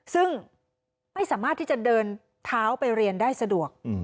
ซึ่งไม่สามารถที่จะเดินเท้าไปเรียนได้สะดวก